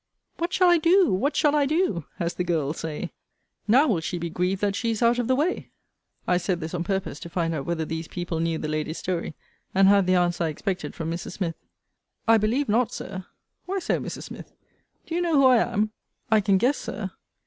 What shall I do! what shall I do! as the girls say. Now will she be grieved that she is out of the way. I said this on purpose to find out whether these people knew the lady's story; and had the answer I expected from Mrs. Smith I believe not, Sir. Why so, Mrs. Smith? Do you know who I am? I can guess, Sir.